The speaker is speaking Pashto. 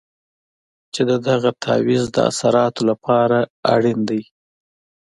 چې د دغه تعویض د اثراتو لپاره اړین دی.